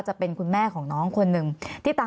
มันเป็นอาหารของพระราชา